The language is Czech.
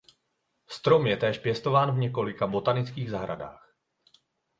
Strom je též pěstován v několika botanických zahradách.